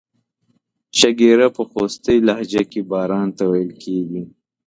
شیګیره په خوستی لهجه کې باران ته ویل کیږي.